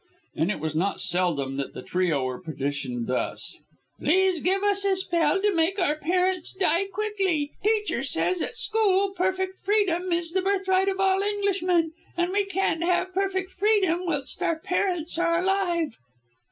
And it was not seldom that the trio were petitioned thus: "Please give us a spell to make our parents die quickly. Teacher says at school 'perfect freedom is the birthright of all Englishmen,' and we can't have perfect freedom whilst our parents are alive."